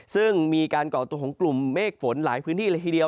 ซึ่งมีการก่อตัวของกลุ่มเมฆฝนหลายพื้นที่เลยทีเดียว